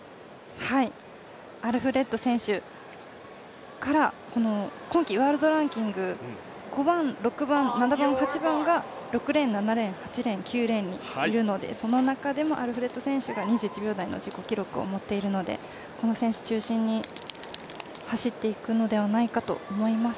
はい、アルフレッド選手から今季、ワールドランキング５番、６番、７番、８番が、６レーン、７レーン、８レーンにいるのでその中でもアルフレッド選手が自己記録を持っているので、この選手中心に走っていくのではないかと思います。